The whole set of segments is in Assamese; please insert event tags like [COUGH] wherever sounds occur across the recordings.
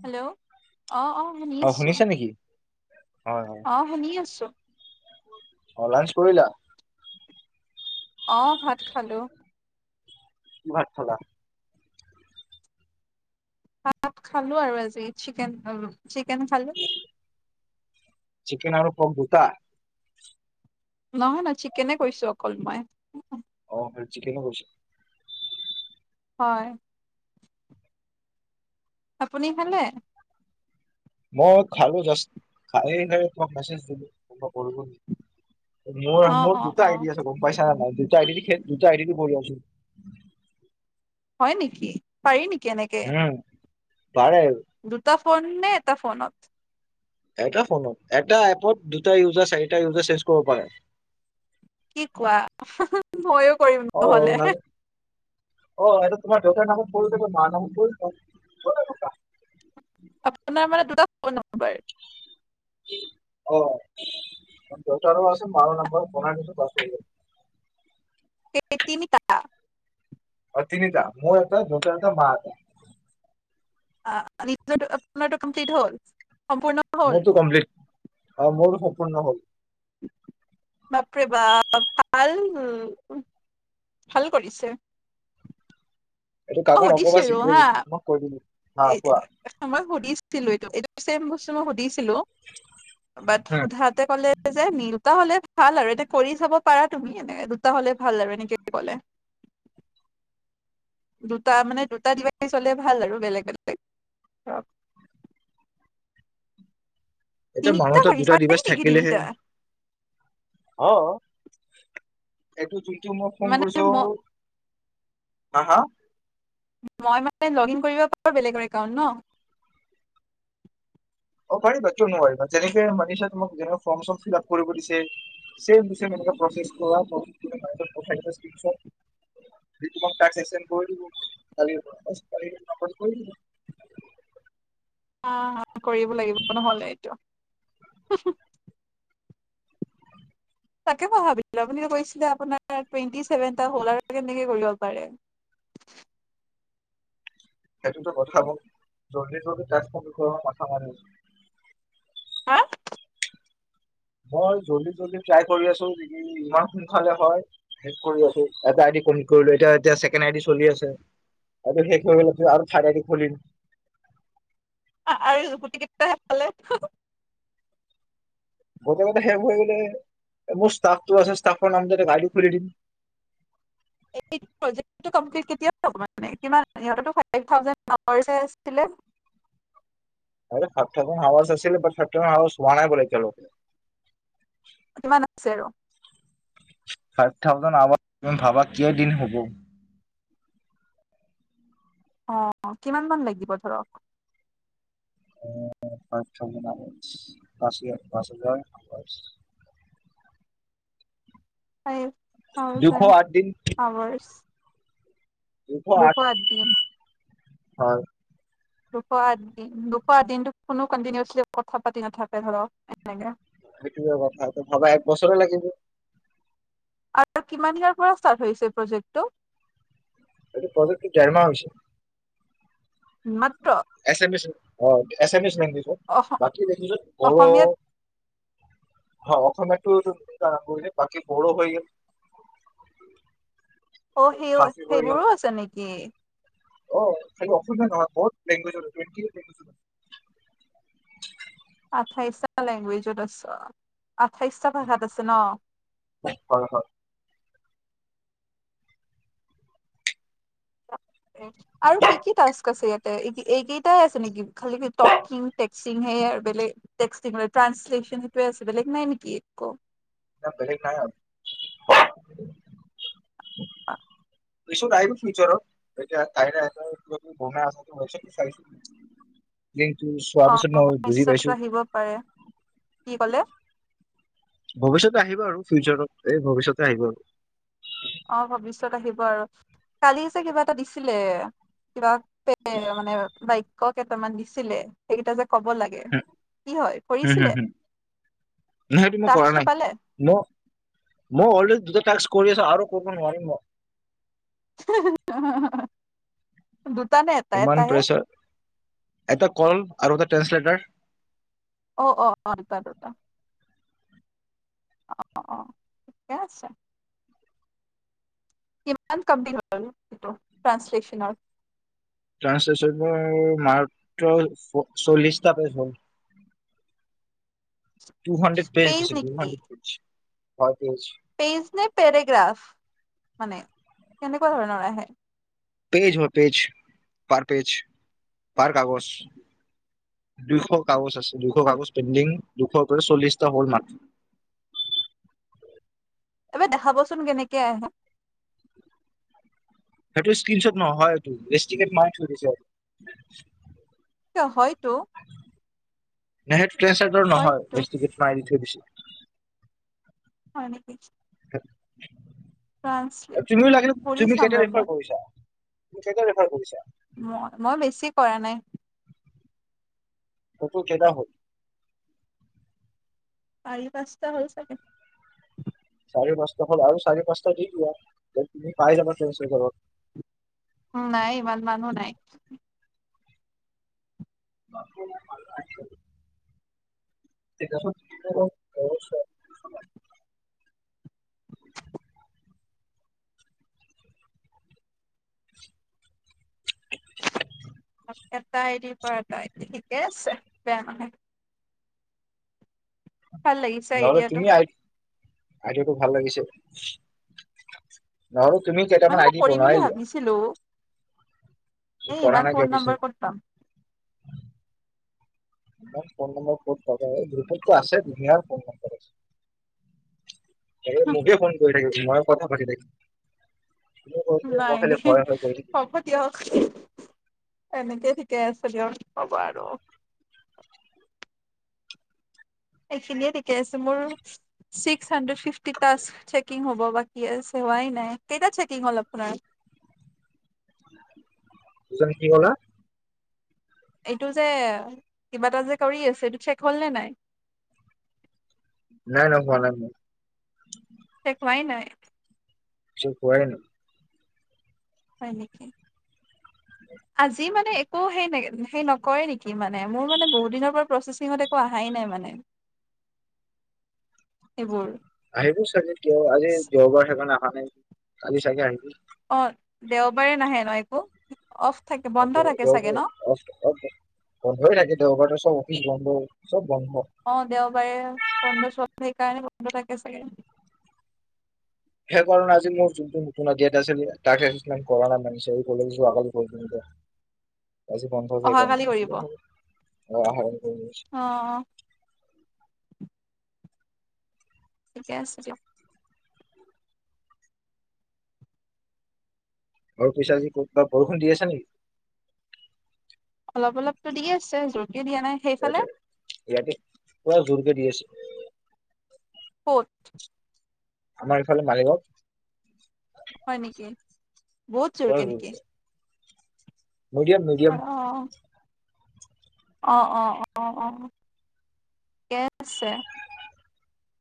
হেল্ল' অঁ অঁ শুনি অ আছো শুনিছা নেকি অঁ শুনি আছো। অঁ লাঞ্চ কৰিলা। অঁ ভাত খালো। কি ভাত খালা। ভাত খালো আৰু আজি চিকেন খালো। চিকেন খালো। চিকেন আৰু পপ দুটা। নহয় নহয় চিকেনে কৈছো অকল মই। ফঁ চিকেনে কৈছা হয় আপুনি খালে মই খালো জাষ্ট খায়ে লৈ তোমাক মেছেজ দিলো কল কৰিব নেকি। মোৰ অ মোৰ অ দুটা অ আইডি আছে গম পাইছা নে নাই। দুটা আইডিটো শেষ দুটা আইডিটো কৰি আছো। হয় নেকি পাৰি নি কেনেকে উম পাৰে দুটা ফোন নে এটা ফোনত। এটা ফোনত এটা এপত দুটা ইউজাৰ চাৰিটা ইউজাৰ চেঞ্জ কৰিব পাৰে। কি কোৱা হু হু ময়ো কৰিম অ নহ'লে। নাজানো। অ' এইটো তোমাৰ দেউতাৰ নামত কৰি লবা মাৰ নামত কৰি লোৱা। আপোনাৰ মানে দুটা ফোন নাম্বাৰ। অ' দেউতাৰো আছে মাৰ নাম্বাৰ বনাই লৈছো জাষ্ট আহি গ'ল। ইয়ে তিনিটা অ' তিনিটা মোৰ এটা দেউতা এটা মাৰ এটা। ফঁ নিজৰটো আপোনাৰটো কম্প্লিট হ'ল। সম্পূৰ্ণ হ'ল। অঁ মোৰটো সম্পূৰ্ণ হ'ল। বাপৰে বাপ ভাল উম ভাল কৰিছে। এইটো মই কাকো নকবা সুধিছিলো চিক্ৰেট হা এইটো তোমাক কৈ দিলো হা কোৱা মই সুধিছিলো এইটো এইটো ছেম বস্তু মই সুধিছো। ছিলো বাত হম সোধাতে ক'লে যে নিল। দুটা হলে ভাল আৰু এনে কৰি চাব পাৰা তুমি এনে দুটা হলে ভাল আৰু এনেকে ক'লে। দুটা মানে দুটা দিবা চলে ভাল আৰু বেলেগ বেলেগ অহ। এটো তিনিটা মাহটোত পাৰিছা দুটা নাই দিৱছ নেকি থাকিলেহে। তিনিটা অ এটো যোন কিও মোক ফোন মানে কইছ। ম হাঃ হাঃ মই মানে লগ ইন কৰিব পাৰো বেলেগৰ একাউণ্ট ন। অ পাৰিবা কিয় নোৱাৰিবা। যেনেকে মানিছা তোমাক যে ফৰ্ম চৰ্ম ফিলাপ কৰিব দিছে ছেম টু ছেম এনেকে প্ৰচেছ কৰা। মবাইলত পাৰিলে পঠিয়াই দিবা স্কীনচৰ্ট। তোমাক টাস্ক একচেন্স কৰি দিব কালিৰে পৰা। কালি এইটো নাম্বাৰত কৰি দিবা। অহ কৰিব লাগিব ন'হলে এইটো। হু হু। তাকে মই ভাবিলো আপুনিতো কৈছিলে আপোনাৰ টুৱেণ্টি ছেভেনটা হল আৰু কেনেকে কৰিব পাৰে। সেইটোতো কথা মোক জল্দি জল্দি টাচ কমপ্লিট কৰা মাথা মাৰি আছো। হা। মই জল্দি জল্দি ট্ৰাই কৰি আছো। যদি ইমান সোনকালে হয় শেষ কৰি আছো। এটা আইডি কমপ্লিট কৰিলো এতিয়া এতিয়া ছেকেন আইডি চলি আছে আৰু শেষ হৈ গ'লে আৰু থাৰ্ড আইডি খুলিম। আৰু গুটি কেইটা পালো গোটেই কেইটা শেষ হৈ গ'লে। মোৰ ষ্ট্ৰাফটো আছে ষ্ট্ৰাফৰ নাম দি আইডি খুলি দিম। এইটো প্ৰজেক্ট টো কেতিয়া কমপ্লিট হব মানে কিমান সিহতেও [UNINTELLIGIBLE] থাউজেণ্ড [UNINTELLIGIBLE] হে আছিলে আ [UNINTELLIGIBLE] ফাইব থাউজেণ্ড আৱাৰছ আছিলে বাত ফাইব থাউজেণ্ড আৱাজ হোৱা নাই বোলে এতিয়ালৈকে কিমান আ ছে আৰু ফাইভ থাউজেড আৱাৰ তুমি ভাবা কেই দিন হ'ব অ কিমান মান লাগিব ধৰক উম ফাইব থাউজেণ্ড আৱাৰছ পাঁচ হাজাৰ পাঁচ হাজাৰ হয় দুশ থাউজেণ্ড আঠ দিন আৱাৰছ দুশ আটদিন হয় দুশ আটদিন দুশ আটদিনটো কোনো কনটিনিউ কথা পাতি নাথাকে ধৰক এনেকে সেইটোৱে কথা ত ভাবা এক বছৰে লাগিব আৰু কিমান দিনৰ পৰা ষ্টাৰ্ট হৈছে প্ৰ'জেক্টটো এইটো প্ৰজেক্ট টো দেৰমাহ হৈছে মাত এছ এম এছ অ এছ এ মেছ উম পিছত অস বাকী দেখিলে ক অসমীয়াত হ অসমীয়াটো [UNINTELLIGIBLE] বাকী বড়ো হৈ গল অ সেইও খাচী হৈ গ'ল সেইবোৰো আছে নেকি অ খালি অসমীয়াত নহয় বহুত লেংগোয়েজত [UNINTELLIGIBLE] দেখিছিলো আঠাইছ টা লেংগুৱেজত আছ আঠাইছটা ভাষাত আছে ন হয় হয় আৰু কি কি ট্ৰাস্ক আছে ইয়াতে এই এইকেইটাই আছে নিকি খা খালি টকিং ট্ৰেকছিং হেইৱে বেলে ট্ৰেকছিং আৰ ট্ৰানছলি লেচন বেলেগ নাই নিকি একো নাই বেলেগ নাই আৰু অ এইছত আহ ফিউাৰত এতিয়া তাই [UNINTELLIGIBLE] ঘম [UNINTELLIGIBLE] আ [UNINTELLIGIBLE] চাইছ অ অ নিশয় আহিব পাৰে কি কলে ভৱিষ্যতে আহিব আৰু ফিউচাৰত এই ভৱিষ্যতে আহিব আৰু অ ভৱিষ্যয়ত আহিব আৰু কালি যে কিবা এটা দিছিলে কিবা মানে বাক্য় কেইটামান দিছিলে সেইকেইটা যে কব লাগে কি হয় কৰিছিলে ন সেইটো মই কৰা টাস্কটো নাই পালে মই মই অলৰেডি দুটাাক্ কৰি আছো আৰু কৰিব নোৱাৰিম মই আহ ইমান প্ৰেছাৰ এটা কল আৰু এটা ট্ৰানসলেটাৰ অ অ অ দুটা দুটা অ অ ঠিকে আছে কিমান ক্প ট্ৰাসলে্যনৰল ট্ৰানসলেচন মাত্ৰ চল্লিশটা পেজ হয় ু হানণ্ড্ৰেড পে দিছে টু হানণ্ড্ৰেড পছে হয় পেজ পেইজ নে পেৰোগ্ৰাফ মানে কেনেকুৱা ধৰণৰ আহে পেজ হয় পেজ পাৰ পেজ পাৰ কাগজ দুশ কাগজ আছে দুইশ কাগজ পেণ্ডিং দুখ কৈ চল্লিশটা হ'ল মাত্ৰ এবাৰ দেখাবচোন কেনেকে আহে সেইটো স্ক্ৰিনচট নহয় এইটো ৰেস্টিগেঠ মাৰি থৈ দিছে কিয় হয়তো আৰু হয়তো নহয় ৰেস্টিগেট মাৰি থৈ দিছে হয় নেকি [UNINTELLIGIBLE] তুমিও ট্ৰানসলেটৰ লাগিলে কৰি তুমি কেইটা চাম ৰেফাৰ ৰবা কৰিছা তুমি কেইটা ৰেফাৰ কৰিছা ম মই বেছি কৰা নাই ফতো কেটা হল পাচঁটা হৈ চাগে চাৰি পাঁচটা হল আৰু চাৰি পাঁচটা দি দিয়া তুমি পাই যাবা ট্ৰেনচিলেৰত নাই ইমান মানো নাই ব ভাল তে এটা আইডিৰ পৰা এটা আইডিৰ ঠিকে আছে বেয়া নহয় ভাল লাগিছে নহলে আইডিয়াটো তুমি আই আইদিয়াটো ভাল লাগিছে। নহলে, তুমি কেইটাামান মানে মই আইডি কৰিম বুলি বনাই লোৱা। ভাবিছিলো এই পঢ়া ইমান নাই ফোন কিয় পিছে নম্বৰ কত পাম। ইমান ফোন নম্বৰ ক'ত পাবা গ্ৰুপতটো আছে দুনিয়াৰ ফোন নম্বৰ আছে। এ মোকে ফোন কৰি থাকিব। মই কথা পাতি থাকিম। তুমি কৈ থাকিবা মই নাই খালি নাই হয় হয় কৈ থাকিম হ'ব দিয়ক। এনেকে ঠিকে আছে দিয়ক। পাবাই ন? এইখিনিয়ে ঠিকে আছে মোৰ six hundred fifty task checking হ'ব হ'ব বাকী আছে হোৱাই নাই, কেইটাত চেকিং হ'ল আপোনাৰ? বুজা নাই, কি ক'লা এইটো যে কিবা এটা যে কৰি আছে, এইটো চেক হ'ল নে নাই নাই নাই, হোৱা নাই মোৰ। চেক হোৱাই নাই? চ কুৱ হয় ন হয় নেকি আজি মানে একো সেই সেই নকৰে নেকি মানে মোৰ মানে বহুত দিনৰ পৰা প্ৰচেচিঙত একো অহাই নাই মানে এইবোৰ আহিবো চজ আজি দেওবাৰ সেকাৰ ন হয় কালি চাগে আহ অ দেওবাৰে নাহে ন একো অফ থাকে অ' বন্ধ দে থাকে দেব চাগে ন অ' বন্ধ হৈ থাকে দেওবাৰে চব। [INAUDIBLE] অ' দেওবাৰে বন্ধ চব সেইকাৰণে বন্ধ থাকে চাগে। সেই কাৰণে আজি মোৰ যোনটো নতুন অহাকালি কৰিব অ [UNINTELLIGIBLE] অ [UNINTELLIGIBLE] ঠিকেই আছে দিয়ক। আৰু পিছা আজি ক'ত বৰষুণ দি আছে নেকি? অলপ অলপতো দি আছে যত [UNINTELLIGIBLE] জোৰকৈ দি আছে। ক'ত? আমাৰ এইফালে মালিগাঁৱত। হয় নেকি বহুত জোৰকে নেকি? মিডিয়ম অ মিডিয়ম। অ' অ' অ' অ' ঠিকে আছে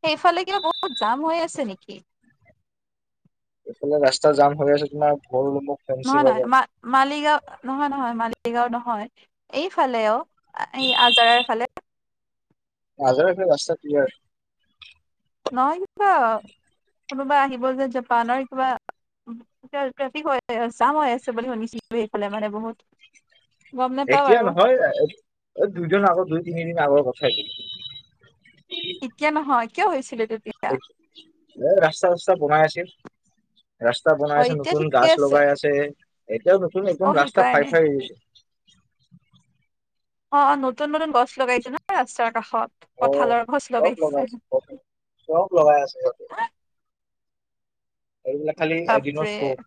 সেইফালে কিবা বহুত জাম হৈ আছে নেকি? এইফালে ৰাস্তা জাম হৈ আছে তোমাৰ। ভৰলুমুখ ফেঞ্চি নহয় নহয় বজাৰ ম মালিগাঁও নহয় নহয় মালিগাঁও ন হয় এইফালেও এই আজৰাৰ ফালে আজাৰা ফালে ৰাস্তা ক্লিয়াৰ। নয়িব কোনোবা আহিব যে জাপানৰ কিবা ট্ৰেফিক হৈ জাম হৈ আছে বুলি শুনিছিলো সেইফালে মানে বহুত। গম নাপাও এতিয়া আৰু নহয় দুই দিনৰ আগৰ দুই তিনিদিন আগৰ কথা। [UNINTELLIGIBLE] এতিয়া নহয় কিয় হৈছিলে? তেতিয়া এ ৰাস্তা চস্তা বনাই আছিল। ৰাস্তা বনাই অ আছে এতিয়া নতুন ঠিকে গছ লগাই আছে এতিয়াও নতুন অ একদম ৰাস্তা ফাই সেইকাৰণে ফাই হৈ গৈছে। অ' অ' নতুন নতুন ব গছ লগাইছে ন ৰাস্তাৰ কাষত অ কঁঠালৰ গছ চব লগাইছে। লগাই আছে চব চব লগাই আছে সিহঁতে এইবিলাক খালি এদিনৰ বাপৰে শ্ব'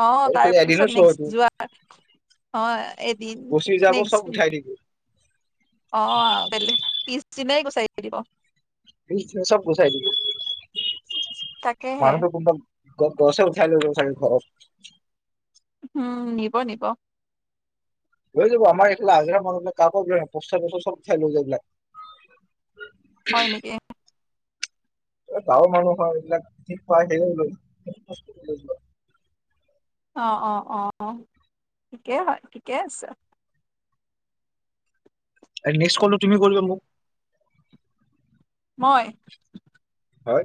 অ', এইটো খালি তাৰপিছত এদিনৰ শ্ব' নেক্সট এইটো যোৱা হয়। এদিন গুচি যাব নেক্স চব উঠাই দিব অ', বেলেগ পিছ চিনাই গুচাই দিব। এই চে, চব গুচাই দিব। তাকেহে মানুহটো [UNINTELLIGIBLE] গ-গছে উঠাই লৈ গ'ল চাগে ঘৰত। উম, নিব নিব। লৈ যাব আমাৰ এইটো আজাৰা মানুহ বিলাক কাকো [UNINTELLIGIBLE] পষ্ট অফিছৰ চব উঠাই লৈ যায় এইবিলাক। হয় নেকি। এ, গাঁৱৰ মানুহ হয় এইবিলাক, ঠিক কৰাই থাকে লৈ [UNINTELLIGIBLE] লৈ যোৱা। অ', অ'-অ'-অ', ঠিকেই হয়, ঠিকেই আছে। [UNINTELLIGIBLE] নেক্স কলটো তুমি কৰিবা মোক। মই। হয়।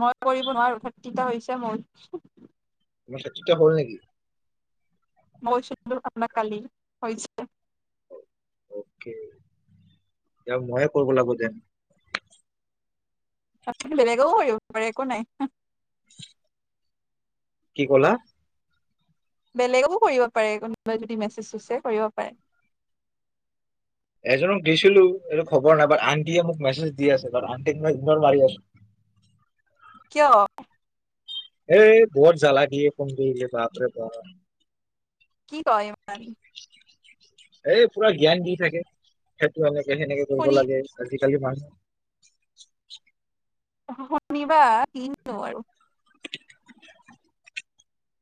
মই কৰিব নোৱাৰো, থাৰ্টিটা হৈছে মোৰ। [UNINTELLIGIBLE] হ'ল নেকি? [UNINTELLIGIBLE] অ'কে, এতিয়া মইয়ে কৰব লাগব ডেন। আপুনি বেলেগেও কৰিব পাৰে, একো নাই। কি ক'লা? বেলেগকো কৰিব পাৰে, কোনোবাই যদি মেছেজ চেছে কৰিব পাৰে। এজনক দিছিলো, এইটো খবৰ নাই, বাট আন্টিয়ে মোক মেছেজ দি আছে, কাৰণ আন্টিক মই ইগ্নৰ মাৰি আছো। কিয়? এ, বহুত জালা দিয়ে ফোন কৰিলে বাপৰে বাপ। কি কয় ইমান এই পোৰা জ্ঞান দি থাকে, সেইটো হ'লে যে সেনেকে কৰিব শুনি লাগে আজি [UNINTELLIGIBLE] শুনিবা, কিনো আৰু।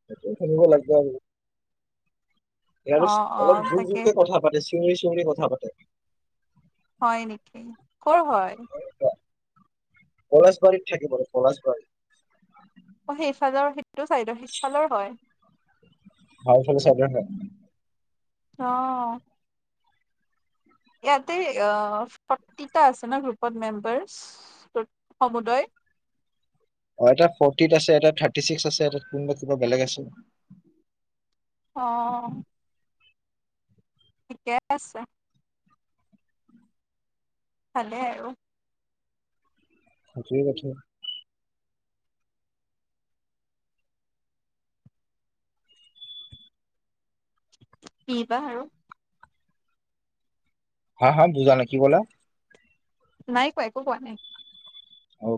সেইটোয়ে শুনিব লাগব আৰু। এ, অ আৰু অ অলপ জোৰ তাকে জোৰকে কথা পাতিছ চিঞৰি- চিঞৰি কথা পাতে। হয় নেকি, ক'ৰ হয়? পলাশবাৰীত থাকে বুলো পলাশবাৰী। অ' সেইফালৰ সেইটো চাইদৰ সেইফালৰ হয়। ভাল [UNINTELLIGIBLE] অ'। ইয়াতে আ, ফৰ্টিটা আছে ন', গ্ৰুপত মেম্বাৰ্চ টোত অ', এটা ফৰ্টিত আছে, এটাত থাৰ্টি ছিক্স আছে, এটাত কোনবা কিবা বেলেগ আছে। অ'। ঠিকে আছে। ভালে আৰু। [UNINTELLIGIBLE] কি বা আৰু। হা-হা, বুজা নাই, কি ক'লা। নাই কোৱা একো কোৱা নাই। অ'